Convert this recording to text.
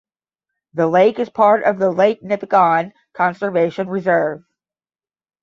The lake is part of the Lake Nipigon Conservation Reserve.